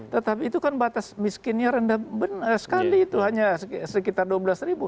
tetapi itu kan batas miskinnya rendah sekali itu hanya sekitar dua belas ribu